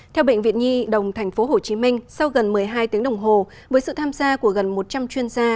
theo bệnh viện nhi đồng tp hcm sau gần một mươi hai tiếng đồng hồ với sự tham gia của gần một trăm linh chuyên gia